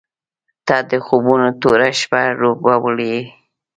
• ته د خوبونو توره شپه روڼولې.